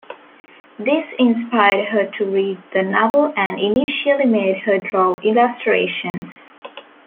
This inspired her to read the novel and initially made her draw illustrations.